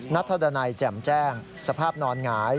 นัทธดันัยแจ่มแจ้งสภาพนอนหงาย